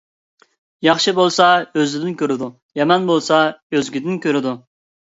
ياخشى بولسا ئۆزىدىن كۆرىدۇ، يامان بولسا ئۆزگىدىن كۆرىدۇ.